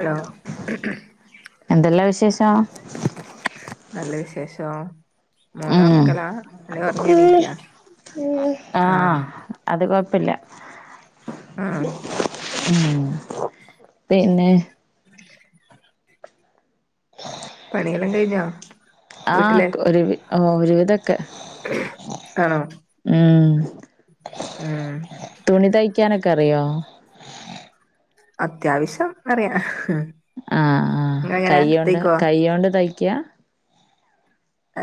Hello എന്തെല്ലാ വിശേഷോ നല്ല വിശേഷോ മോനെ ഉം ഒർക്കലാ അനെ ഒറങ്ങിഎണീത്തിയാ ആഹ് അത് കൊഴപ്പില്ല ആഹ് ഉം പിന്നെ [inaudible] പണിയെല്ലാം കയിഞ്ഞാ ആ കൊ രുവി ഒരുവിധൊക്കെ ആണോ ഉം ഉം തുണി തയ്ക്കാനൊക്കറിയോ അത്യാവശ്യം അറിയാ ആഹ് ആഹ് കയ്യോണ്ട് കയ്യോണ്ട തയ്ക്കാ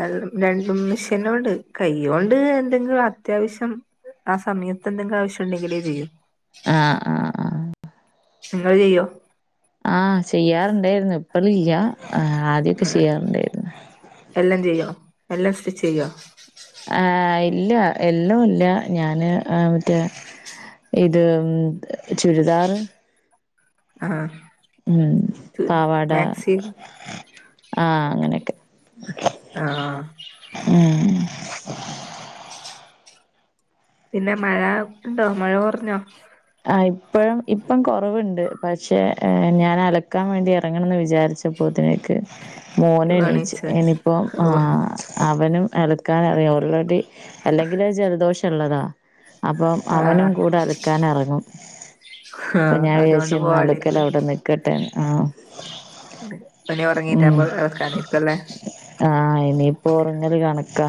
ഏ രണ്ടും മെഷേനോണ്ട് കൈ കൊണ്ട് എന്തെങ്കിലത്യാവശ്യം ആ സമയത്തെന്തെങ്കിലാവശ്യുണ്ടെങ്കിലേ ചെയ്യു ആ ആ ഇങ്ങള് ചെയ്യോ ആ ചെയ്യാറുണ്ടായിരുന്നു ഇപ്പളില്ല ആ ആദ്യൊക്കെ ചെയ്യാറുണ്ടായിരുന്നു എല്ലം ചെയ്യോ എല്ലാം സ്റ്റിച്ചെയ്യോ ആ ഇല്ല എല്ലാംഇല്ല ഞാന് ആ മറ്റേ ഇത് ചുരിദാറ് ആഹ് ഹ്മ് പാവാട മാക്സി ആഹ് അങ്ങനെയൊക്കെ ആഹ് ഉം പിന്നെ മഴ ഇണ്ടോ മഴ കൊർഞ്ഞോ ആ ഇപ്പഴും ഇപ്പം കൊറവ്ണ്ട് പക്ഷെ ഞാൻ അലക്കാൻ വേണ്ടി ഇറങ്ങണംന്ന് വിചാരിച്ച പ്പോത്ത്നേക്ക്‌ മോനെണീച്ച് എണീച്ചോ ഇനിപ്പോ ഓ അവനും എ ക്കാനറിയൊ ഓൾറെഡി അല്ലെങ്കിലെ ജലദോഷള്ളതാ അപ്പൊ അവനും ആഹ് കൂടെ അലക്കാനെറ ങ്ങും അപ്പൊ ആഹ് ഞാൻ വിചാരിച്ച് അതുകൊണ്ട് പോവാണ്ടിരിക്കും ഇന്നലക്കലവ്ടെ നിക്കട്ടെന്ന് ആ അപ്പനി ഒറങ്ങീട്ടാവുമ്പൊ [unintelligible] ല്ലേ ആഹ് ഇനിയിപ്പൊറങ്ങല് കണക്കാ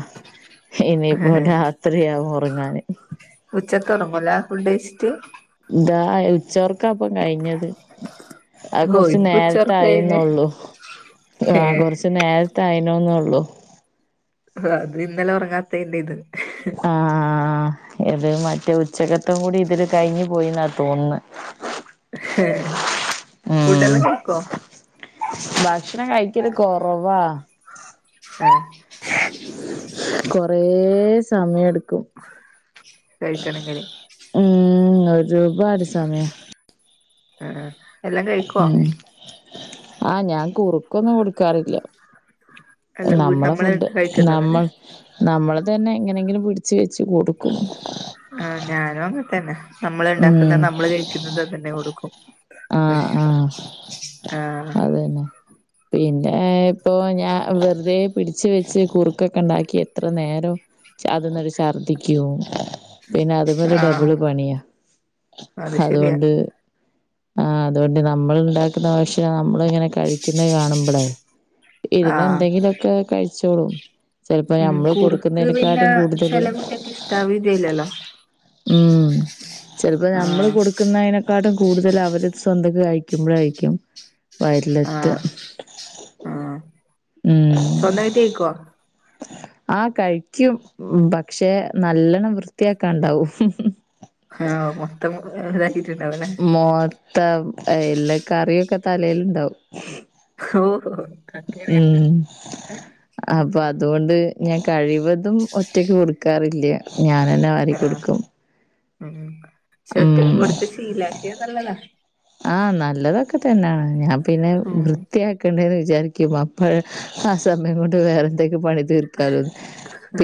ഇനിയിപ്പൊ രാത്രിയാവും ഒറങ്ങാന് ഉച്ചക്കൊറങ്ങൂല ഫുഡ് കയിച്ചിട്ട് ദാ ഉച്ചൊറക്കാപ്പം കഴിഞ്ഞത് അത് ഓ കൊറച്ച് ഇപ്പൊ ഉച്ചൊറക്കാ കഴിഞ്ഞേ നേറത്തായിന്നുള്ളു ആ ഏഹ് കൊറച്ച് നേര ത്തായിനുന്നുള്ളൂ അത് ഇന്നലെ ഒറങ്ങാത്തയിന്റെ ഇത് ആഹ് ഇത് മറ്റേ ഉച്ചക്കത്തം കൂടി ഇതില് കയിഞ്ഞു പോയിന്നാ തോന്നുന്നെ ഉം ഫുഡെല്ലാം കയിക്കോ ഭക്ഷണം കയിക്കല് കൊറവാ ആഹ് കൊറേ സമയെട്ക്കും കയിക്കണെങ്കില് ഉം ഒരുപാട് സമയാ ആഹ് എല്ലാം കഴിക്കുവോ ഉം ആ ഞാൻ കുറു ഒന്നും കൊടുക്കാറില്ല അല്ല നമ്മളെ നമ്മള് ഫുഡ് കഴിക്കുന്നതന്നെ നമ്മൾ. നമ്മള് തന്നെ എങ്ങനെങ്കിലും പിടി ച് വെച്ച് കൊടുക്കു ആ ഞാനും അങ്ങത്തന്നെ. നമ്മള് ഉം ഉണ്ടാക്കുന്ന നമ്മള് കഴിക്കുന്നുന്നത് തന്നെ കൊടുക്കും. ആഹ് ആഹ് ആ അതന്നെ. പിന്നെ പ്പൊ ഞാൻ വെറുതെ പിടിച്ച് വെച്ച് കുറുക്കൊക്കെ ഉണ്ടാക്കി എത്ര നേരം. അതൊന്ന് ഛർദ്ദിക്കും പിന്നെ അതുപോലെ ആഹ് ഡബിള് പണിയാ. അത് ശരിയാ അതോണ്ട്. ആ അതുകൊണ്ട് നമ്മൾ ഉണ്ടാക്കുന്ന പക്ഷേ ണം നമ്മള ഇങ്ങനെ കഴിക്കുന്നത് കാണുമ്പളേ. ഇരുന്ന് ആഹ് എന്തെങ്കിലൊക്കെ കഴിച്ചോളും. ചെലപ്പോ ഉം നഞമ്മള് കുറുക്ക് പിന്നെ കൊടുക്കുന്നതിനെക്കാട്ടും കൂടുതല്. ചെല കുട്ട്യാക്ക് ഇഷ്ടാവില്ലല്ലോ ഉം. ചെലപ്പോ നമ്മള് ആഹ് കൊടുക്കുന്നതിനെക്കാളും കൂടുതൽ അവര് സ്വന്തക് കഴിക്കുമ്പോഴയിക്കും. വലുത്ത് ആഹ് ഉം. സ്വന്തയിട്ട് കോ ആ കഴിക്കും പക്ഷെ നല്ലണ്ണം വൃത്തിയാക്കാണ്ടാവും. ആഹ് മൊത്തം ഇതാക്കിട്ടുണ്ടാവുല്ലെ മോത്ത എല്ലാ കറിയൊക്കെ തലേലുണ്ടാവും. ഓഹോ ഹോ. ഉം. അപ്പൊ അതുകൊണ്ട് ഞാൻ കഴിവതും ഒറ്റക്ക് കൊടുക്കാറില്ല ഞാനെന്നെ വാരി ആഹ് കൊടുക്കും. ഉം ചെക്കന് ഉം കൊടുത്ത് ശീലാക്കിയ നല്ലതാ. ആ നല്ലതൊക്കെ തന്നാണ് ഞാൻ പിന്നെ ഉം വൃത്തിയാക്കി ക്കണ്ടന്ന് വിചാരിക്കും അപ്പോഴ ആ സമയം കൊണ്ട് വേറെ പണി തീർക്കാല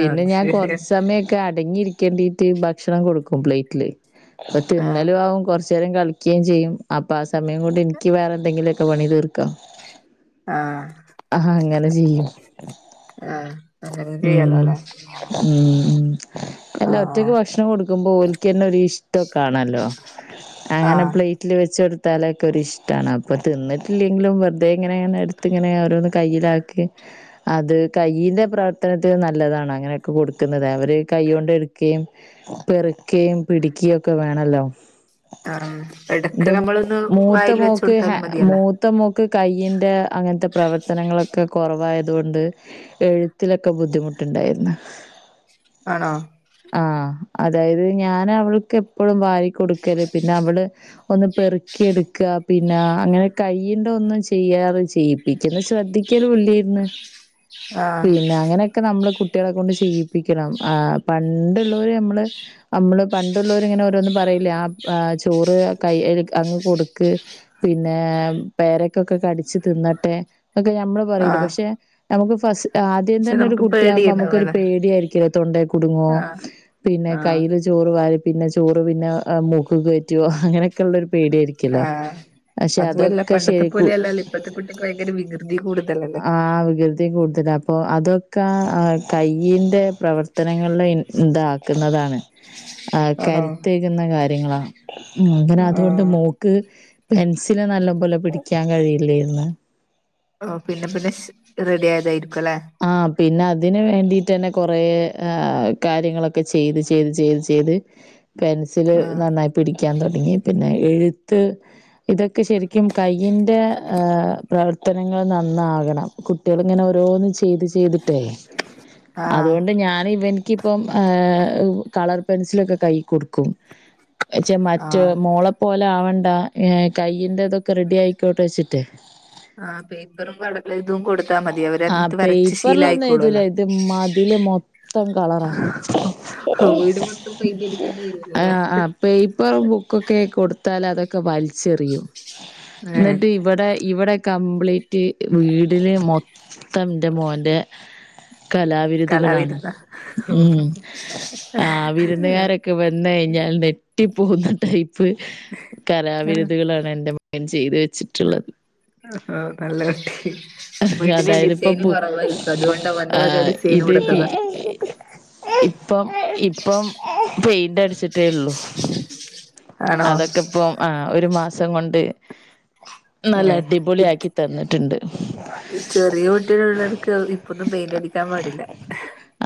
ആഹ് അത് ഞാൻ ശരിയാ കൊറച്ച സമയ അടങ്ങിരിക്കേണ്ടിട്ട് ഭക്ഷണം കൊടുക്കും പ്ലേറ്റില് ആഹ് തിന്നലും ആവും കുറ ച്ചരും കളിക്കേയും ചെയ്യും അപ്പൊ ആ സമയം കൊണ്ട് എനിക്ക് വേറെ എന്തെങ്കിലുമൊക്കെ പണി തീർക. ആഹ് ആ അങ്ങനെ ചെയ്യും ആഹ് അങ്ങനെ ഉം. ചെയ്യാലോല്ലേ ഉം ഉം അല്ല ആഹ് ഒറ്റയ്ക്ക് ഭക്ഷണം കൊടുക്കുമ്പോ ഓലിക്കന്നെ ഒരീഷ് കാണല്ലോ അങ്ങനെ ആഹ് പ്ലേറ്റില് വെ ച്ചെടുത്താലൊഒക്കെ ഒര് ഇഷ്ട്ടാണ് അപ്പൊ തിന്നിട്ടില്ലെങ്കിലും വെറുതെ ഇങ്ങനെ എടു ഇങ്ങനെ ഓരോന്ന് കയ്യിലാക്കി. അത് കയ്യിന്റെ പ്രവർത്തനത്തിന് നല്ലതാണ് അങ്ങനെയൊക്കെ കൊടുക്കുന്നത് അവര് കൈയോ ണ്ട് എടുകയും. പെറുക്കയും പിടികയും ഒക്കെ വേണല്ലോ. ആ എടക്ക് എന്റെ നമ്മളൊന്ന് മൂത്ത വായിൽ വെച്ച് മോക്ക് ഹാ കൊടുത്താലും മു മതിയല്ലോ മൂത്തമോക്ക് കയ്യ്ന്റെ അങ്ങനത്തെ പ്രവർത്തനങ്ങളൊക്കെ കൊറവായതൊണ്ട്. എഴുത്തിലൊക്കെ ബുദ്ധിമുട്ടുണ്ടായിരുന്നു. ആണോ. ആ അതായത് ഞാൻ അവൾക്ക് എപ്പോഴും വാരി കൊടുക്കല് പിന്നെ അവള് ഒന്ന്. പെറുക്കി എടുക്ക പിന്നെ അങ്ങനെ കൈന്റെ ഒന്നും ചെയ്യാറ് ചെയ്യിപ്പിക്ക ശ്രദ്ധിക്കല് ഇല്ലേ യ്ന്. ന്ന് ആഹ് പിന്നെ അങ്ങനെ. ഒക്കെ നമ്മള് കുട്ടികളെ കൊണ്ട് ചെയ്യിപ്പിക്കണം ആ പണ്ടുള്ളോര് നമ്മള്. നമ്മള് പണ്ടുള്ളവരിങ്ങനെ ഓരോന്നും പറയിലേ ആ ചോറ് ക അങ്ങ് കൊടുക്ക് പിന്നെ പേരക്കൊക്കെ കടച്ച് തിന്നട്ടെ. ഒകെ നഞമ്മള് പറയില്ല ആഹ് പക്ഷെ നമുക്ക് ഫസ് ആദ്യം പക്ഷെ തന്നെ ഒരു നമുക്ക് കുട്ടിയാകുമ്പോ നമുക്ക് ഒരു പേടിയുണ്ടാവല്ലോ പേടിയായിരിക്കല്ലേ തൊണ്ടെ കുടുങ്ങുവോ ആഹ് പിന്നെ ആഹ് കയ്യിൽ ചോറ് വാരി പിന്നെ ചോറ് പിന്നെ മൂക്ക് കയറ്റുവോ അങ്ങനെയൊക്കെ ഉള്ളരു പേടി ആയിരിക്കല്ലോ. അതും അല്ല പണ്ടത്തെ പോലെയ അല്ലല്ല ഇപ്പഴത്തെ കുട്ടിക്ക് ഭയങ്കര വികൃതി കൂടുതലല്ലേ. വിഗൃതി കൂടുതല അപ്പോൾ അതൊക്കെ കയൻ്റെ പ്രവർത്തനങ്ങളിൽ ഇതാക്കുന്നതാണ്. [inaudible] ആ കരുത്തേകുന്ന കാര്യങ്ങളാ മുതര അതുകൊണ്ട് ആഹ് മോ ക്ക് പെൻസില് നല്ല പോലെ പിടിക്കാൻ കഴിയില്ലയിര്ന്ന് ഓ പിന്നെ പിന്നെ ശ്‌ റെഡിഅയതായിരികൊല്ലേ? ആ പിന്നെ അതിന് വേണ്ടിയിട്ടന്നെ കൊറേ അഹ് കാര്യങ്ങളൊക്കെ ചെയ്ത് ചെയ്ത് ചെയ്ത് ചെയ്ത് പെൻസില് ആഹ് നന്നായി പിടിക്കാൻ തൊടങ്ങി പിന്നെ എഴുത്ത് ഇതൊക്കെ ശരിക്കും കയ്യിന്റെ ഹേ പ്രവർത്തനങ്ങൾ നന്നാകണം കുട്ടികൾ ഇങ്ങനെ ഓരോന്ന് ചെ ചെയ്ത് ചെയ്തിട്ടേ ആഹ് അതുകൊണ്ട് ഞാനിവൻക്ക് ക്കി പ്പം കളർ പെൻസിലൊക്കെ കൈ കൊടുക്കും ച്ചേ മറ്റേ ആഹ് മോളെ പോലെആവണ്ട കയ്യിന്റെ ഇതൊക്കെ റെഡി ആയിക്കോട്ടെ വെച്ചിട്ട്! ആ പേപ്പറും കളരെതും കൊടുത്ത ടുത്ത മതിയാവും അവരത് ആഹ് ഇട്ത്ത് വരച്ച് പേപ്പറിലൊന്നും എഴുതൂല ശീലായിക്കോളൊല്ലോ ഇത് മതില് മൊത്തം കളറാ. ഹൊൾട് മൊത്തം പൈന്റടിക്കേണ്ടി വരോല്ലോല്ലേ ആ ആ പേപ്പർ ബുക്കൊക്കെ കൊടുത്താൽ അതൊക്കെ വലിച്ചെറിയും ഏഹ് ന്നട്ട് ഇവിടെ ഇവിടെ കംപ്ലീറ്റ് വീടിന് മൊ ത്തം ന്റെ മോന്റെ കലാവിരുദുകളാണ് കലാവിരുന്ന ഉം ആ ആഹ് വിരുന്നുകാരൊക്കെ ക്കെ വന്നഴിഞ്ഞാൻ നെട്ടിപ്പോകുന്നടൈപ്പ പ്പ് കരാവിരുതുകളാണ് എൻറെ മകൻ ചെയ്തു വെച്ചിട്ട്ള്ളത് ആഹ് അഹ് നല്ലകുട്ടി വീട്ടില് അതായത് ഇപ്പൊ ഡിസൈൻ കൊറവായിരിക്കും അതുകൊണ്ട് അവന്റെ ആ വക ഡിസൈൻ ഇത് കൊടുത്തത ഇപ്പം ഇപ്പം പെയിന്റ് അടിച്ചിട്ടേള്ളു ആണോ അതൊക്കെപ്പം ആ ഒരു മാസം കൊണ്ട് ഏ നല്ല അടിപൊളി ഇത് ആക്കി തന്നിട്ട്ണ്ട് ചെറിയ കുട്ടികൾ ഇളട്ക്ക് ഇപ്പൊന്നും പെയിന്റ് അടിക്കാൻ പാടില്ല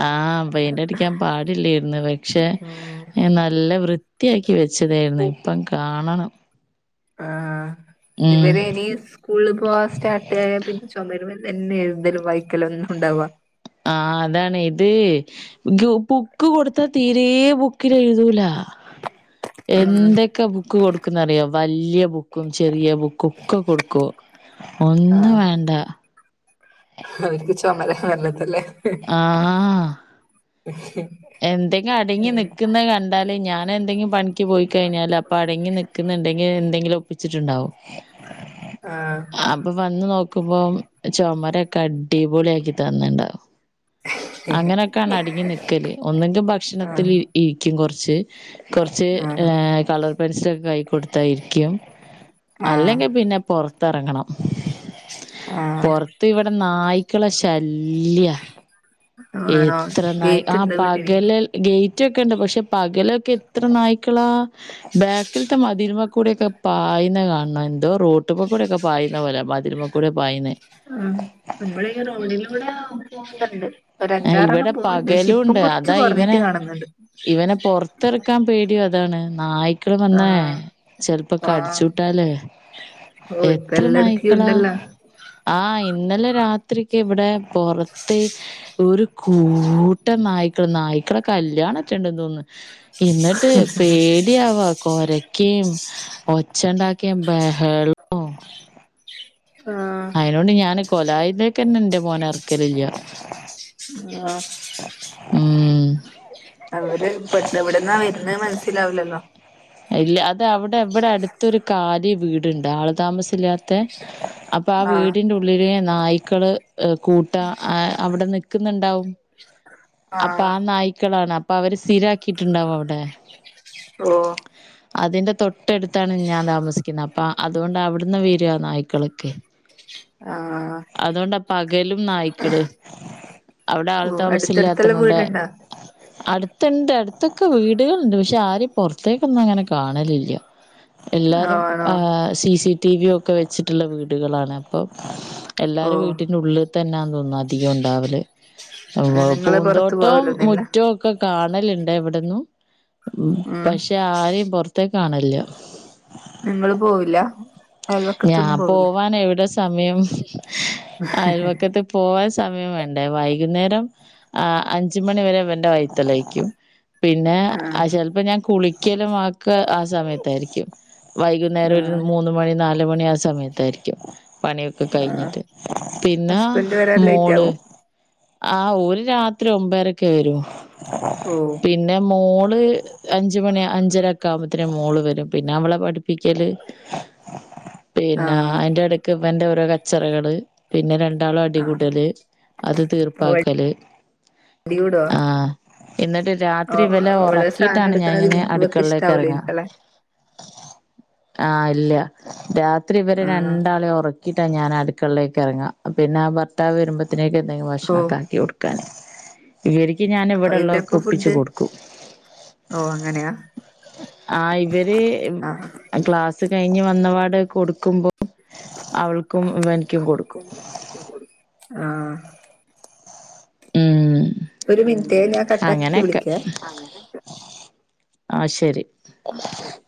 ആഹ് പെയിന്റഅടിക്കാൻ പാടില്ലായിര്ന്ന് പക്ഷെ ഉം നല്ല വൃ വൃത്തിയാക്കി വെച്ചതായിരുന്നു ഇപ്പം കാണണം ആ ഉം ഇവര്ഇനി സ്കൂളിപോവാ സ്റ്റാർട്ടിആയ പിന്നെ ചൊമരു തന്നെ എഴുതലും വായിക്കലന്നും ഉണ്ടാവാ ആഹ് അതാണ് ഇത് പുക്ക് കൊടുത്ത തീ രെ ബുക്കിലഴുതൂല ഉം എന്തൊക്കെ ബു ക്ക് കൊടുക്കുന്നറിയോ വല്ല്യ ബുക്കും ചെറിയ ബുക്കും കുക്ക് കൊടുക്കു ഒന്നും ആഹ് വേണ്ട അവർക്ക് ചൊമര വേണ്ടതല്ലേ ഹ് ആഹ് ഹേ ഹേ ന്തെങ്കി അടങ്ങി നിക്കുന്നഹ്‌ കണ്ടാല് ഞാൻ എന്തെങ്കി ക്ക് പോയി കഴിഞ്ഞാല് അപ്പൊ അടങ്ങി നിക്കുന്നുണ്ടെങ്കിൽ എന്തെങ്കിലും ഒപ്പിച്ച്ട്ട്ണ്ടാവും ആഹ്‌ അപ്പൊ വന്ന് നോക്കുമ്പം ചുമരോക്കെ അടിപൊളിയാക്കി തന്ന്ണ്ടാവും ആഹ് അങ്ങനോയൊക്കണ് അടങ്ങി നി കല് ഒന്നെങ്കി ഭക്ഷണത്തിൽ ഇരിക്കു കൊറച്ച് കൊറച്ച് ആഹ് കളർ പെൻസിൽ കൈയി കൊടുത്തയിരിക്കും ആഹ് അല്ലെങ്കിൽ പിന്നെ പോർത്തറങ്ങണം ആഹ് പൊർത്ത് വ്ടെ നായ്ക്കള ശല്യ ആ ആണോ ഗേറ്റ് ണ്ടോ വീട്ടിൽ ലേൽ ഗൈറ്റ് ഒക്കെണ്ട് പക്ഷെ പകലൊക്കെ എത്ര നായ്ക്കളാ ബാക്കിൽത്തെ മതിൽമകൂടിയൊക്കെ പയ്ണത് കാണണം എന്തോ റോട്ടുമ്മൽ കൂടിയൊക്കെ പായുന്ന പോലെ മതിൽമക്ക കൂടെ പായ്ണ് ആ ഇബടെ റോഡിലൂടെ പോകല്ണ്ട് ആഹ് ഒരഞ്ചാറെണ്ണം ഇവിടെ പോവണ്ട് പക്ഷെ പകലുണ്ട് അതാ ഇപ്പംകുറച്ച്കൊറഞ്ഞിട്ട് കാണുന്നുണ്ട്. ത്തിറക്കാൻ പേടിയ അതാണ് നായ്ക്കള് വന്നേ ആഹ് ആഹ് ചെലപ്പോകടിചൂട്ടാലേ ഓ ഇപ്പ എല്ലാടക്കും എത്രനായിക്കള ഉണ്ടല്ലോ ആ ഇന്നലെ രാത്രിക്ക് ഇവിടെപൊറത്ത് ഒരു കൂട്ടംനായ്ക്കള് നായ്ക്കടെ കല്യാണംക്കെഒണ്ടാന്ന്തോന്നുന്നു. എന്നിട്ട് പേടിആവാ. കൊരയ്ക്കയും ഒച്ച ഇണ്ടാക്കിയേം ബഹ ആഹ് അയോണ്ട് ഞാന് കൊലായന്റെ ക്ക് ന്നെന്റെ എമോനെഎറക്കലില്ല്യ ആ.. ഉം.. അവര് പെട്ട ന്ന വിടന്നാ വരുന്നന്ന് മനസ്സിലാവില്ലല്ലോ. ഇല്ല അത അവിടെ എവിടെ അടുത്തൊരു കാലി വീടുണ്ട് ആൾ താമസമില്ലാത്ത അപ്പൊ ആ ആഹ് വീടിന്റെ ഉള്ളില് നായ്ക്കള് കൂട്ടാ ആ അവിടെ നിക്കുന്നുണ്ടാവും. അപ്പൊ ആഹ് ആ നായ്ക്കളാണ് അപ്പൊ അവര് സ്ഥിരാക്കിട്ടുണ്ടാവോ അവിടെ ഓ.. അതിന്റെ തൊട്ടടുത്താണ് ഞാൻ താമസിക്കുന്നെ അപ്പൊ അതുകൊണ്ട് അവിടുന്ന് വരുവാനായിക്കാളൊക്കെ ആ അതൊണ്ടപകലുംനായ്ക്കൾ. ഓ അവിടെആൾതാമസം അടുത്തടുത്തുള്ള ഇല്ലാത്തോത ണ്ടു വീടുണ്ടോ അടുത്തണ്ട് അടുത്തൊക്കെ വീടുകളുണ്ട് പക്ഷെ ആരെയും പൊറത്തേക്കൊന്നും അങ്ങനെ കാണലില്ല. എല്ലാരും ആണോ ആ സി സി ടി വി ഒക്കെ വെച്ചിട്ടുള്ള വീടുകളാണ് അപ്പൊ ഓ എല്ലാരും വീട്ടിന്റെ ഉള്ളിൽ തന്നാന്ന് തോന്ന്അധികം ഉണ്ടാവൽ ഉവ്വ് നിങ്ങള് പുറത്തു പൂന്തോട്ടവും പോവലൊന്നില്ല മുറ്റവും ക്കെ കാണലിണ്ട് എവിടന്നുഉം ഉം പക്ഷെ ആരെയും പൊറത്തേ ക്ക് കാണലീല്ല. നിങ്ങളൾ പോവില്ല അയൽവക്കത്തൊന്നും പോവില്ലേ നെവിടെ സമയം അയൽവക്കത്ത് പോവാൻ സമയം വേണ്ടേ വൈകുന്നേരം ആ അഞ്ച് മണി വരെഇവന്റെ വൈത്തലേക്കും. പിന്നെ ആഹ് ആ ചിലപ്പോ ഞാൻ കുളിക്കലും ആക്ക് ആ സമയത്തായിരിക്കും. ക്കും വൈകുന്നേരം ഒരു ആഹ് മൂന്ന്മണി നാലുമണി ആ സമയത്തായിരിക്കും. പണിയൊക്കെ ആഹ് കഴിഞ്ഞിട്ട് പിന്നെ ഹസ്ബൻഡ് വരാൻ ലേറ്റ് മോൾ ആവും ആഒര് രാ ത്രി ഒമ്പരക്കെവരു. ഓ. പിന്നെ മോള് അഞ്ച് മണിയ അഞ്ചരക്കെ ആകുമ്പത്തന് മോള് വരും പിന്നെ അവളെ പഠിപ്പിക്കല് പിന്നെ ആഹ് അയിന്റെടക്ക് ഇവന്റെ ഓരോ കച്ചറകള്. പിന്നെ രണ്ടാളും ആഹ് അടികൂടല് അത് ഓ തീർപ്പാക്കല് അടി കൂടോ ആ എന്നിട്ട് ഓ അവള് സാധനം രാത്രിഇവലെഒറക്കിയിട്ടാണ് എടുക്കണത് ഞാൻഇങ്ങനെ ഇവൻ- ഇവക്ക് അടുക്കളിലേക്ക് എറങ്ങ ഇഷ്ടാവൂലായിരിക്കല്ലേ ആ ഇല്ല രാത്രി ഇവരെ ആഹ് രണ്ടാളെയും ഒറ ക്കിയിട്ടാ ഞാൻ അടുക്കളിലേക്ക് ഇറങ്ങിക പിന്നെ ഭർത്താവ് വരുമ്പത്തേക്ക്എന്തെങ്കിലും ഓ ഭക്ഷണം ഒക്കആക്കി കൊടു- ക്കാന് ഇവരിക്ക് ഞാൻ ഇവിടെ ഉള്ളതൊക്കെ ഇവരപ്പൊ ഒപ്പിച്ച് ഫുഡ് കൊടുക്കും. ഓ അങ്ങനെയാ ആ ഇവര് ആഹ് ക്ലാസ് കഴിഞ്ഞ് വന്നപാട് കൊടുക്കുമ്പോ അവൾക്കും ഇവനിക്കും കൊടുക്കും. ആ ഉം ഒരു മിനിറ്റേഞാൻ കട്ടാക്കിട്ട് വിളിക്കെ, അങ്ങനെയൊക്കെ ആശരി. ആ ശരി. ! ! ! ! ! ! ! ! ! !